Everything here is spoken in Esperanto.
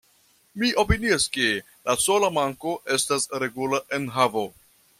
Mi opinias, ke la sola manko estas regula enhavo.